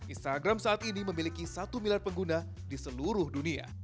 instagram saat ini memiliki satu miliar pengguna di seluruh dunia